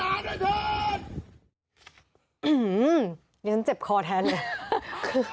เดี๋ยวฉันเจ็บคอแทนเลย